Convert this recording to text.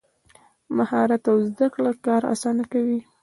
مهارت او زده کړه کار اسانه کوي.